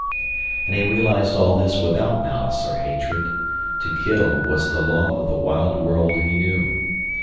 And he realized all this without malice or hatred. To kill was the law of the wild world he knew.